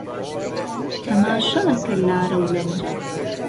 تهماشا که لارولهنجه